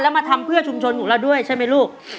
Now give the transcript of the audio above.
แล้วมาทำเพื่อชุมชนของเราด้วยใช่ไหมลูก